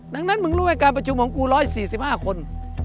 ดังนั้นมึงรู้ไอ้การประชุมของกู๑๔๕คน